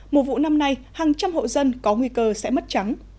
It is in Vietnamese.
mùa vụ năm nay hàng trăm hộ dân có nguy cơ sẽ mất trắng